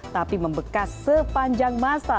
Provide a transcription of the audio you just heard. tapi membekas sepanjang masa